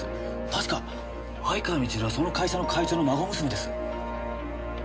確か愛川みちるはその会社の会長の孫娘です。